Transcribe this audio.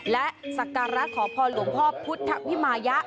และศักรรณ์รักษ์ขอพอหลวงพ่อพุทธวิมายะ